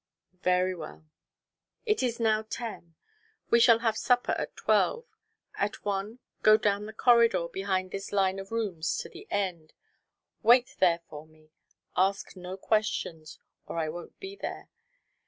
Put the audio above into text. "Very well." "It is now ten. We shall have supper at twelve. At one, go down the corridor behind this line of rooms to the end. Wait there for me. Ask no questions, or I won't be there.